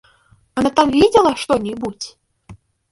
Она там видела что-нибудь?